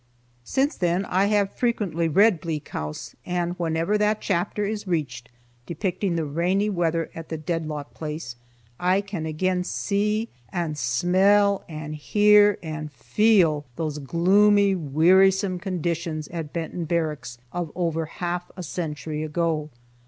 Since then I have frequently read "Bleak House," and whenever that chapter is reached depicting the rainy weather at the Dedlock place, I can again see, and smell, and hear, and feel, those gloomy wearisome conditions at Benton Barracks of over half a century ago.